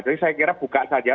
jadi saya kira buka saja